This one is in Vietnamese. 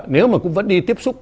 nếu mà cũng vẫn đi tiếp xúc